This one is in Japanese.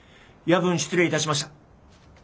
夜分失礼いたしました。